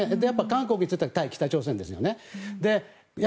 韓国については対北朝鮮ですよね。